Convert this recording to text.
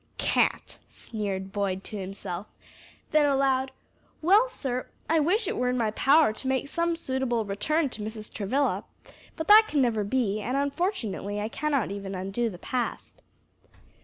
"Cant!" sneered Boyd to himself: then aloud, "Well, sir, I wish it were in my power to make some suitable return to Mrs. Travilla; but that can never be, and unfortunately I cannot even undo the past."